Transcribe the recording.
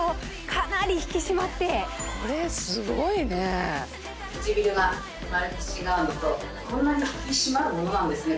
かなり引き締まってこれすごいね唇がまるで違うのとこんなに引き締まるものなんですね